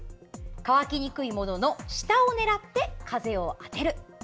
乾きにくいものの下を狙って風を当てる。